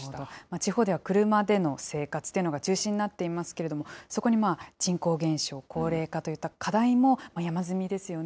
地方では車での生活っていうのが中心になっていますけれども、そこに人口減少、高齢化といった課題も山積みですよね。